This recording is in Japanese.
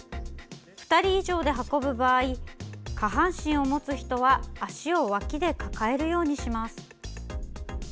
２人以上で運ぶ場合下半身を持つ人は足をわきで抱えるようにします。